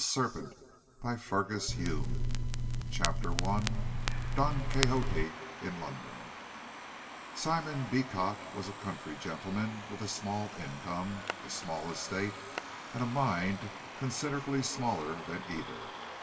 A FINAL EXPLANATION 306 CHAPTER I DON QUIXOTE IN LONDON Simon Beecot was a country gentleman with a small income, a small estate and a mind considerably smaller than either.